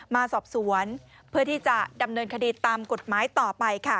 มาสอบสวนเพื่อที่จะดำเนินคดีตามกฎหมายต่อไปค่ะ